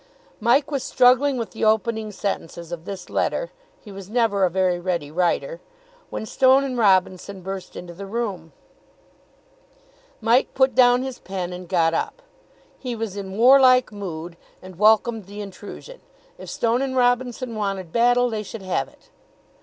Mike was struggling with the opening sentences of this letter he was never a very ready writer when Stone and Robinson burst into the room. Mike put down his pen, and got up. He was in warlike mood, and welcomed the intrusion. If Stone and Robinson wanted battle, they should have it.